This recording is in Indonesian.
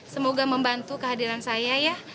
semoga membantu kehadiran saya ya